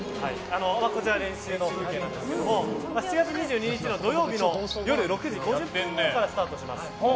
こちら、練習の風景なんですが７月２２日土曜夜６時３０分からスタートします。